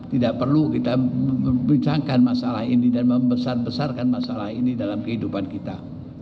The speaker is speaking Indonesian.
tidak perlu kita membincangkan masalah ini dan membesar besarkan masalah ini dalam kehidupan kita